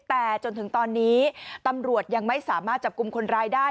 แต่จนถึงตอนนี้ตำรวจยังไม่สามารถจับกลุ่มคนร้ายได้